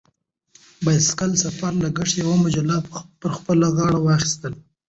د بایسکل سفر لګښت یوه مجله پر خپله غاړه واخیست.